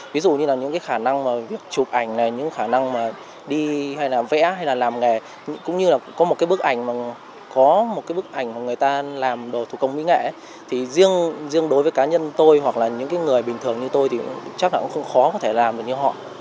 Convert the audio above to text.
ví dụ như là những khả năng mà việc chụp ảnh những khả năng mà đi hay là vẽ hay là làm nghề cũng như là có một bức ảnh mà người ta làm đồ thủ công mỹ nghệ thì riêng đối với cá nhân tôi hoặc là những người bình thường như tôi thì chắc là cũng không khó có thể làm được như họ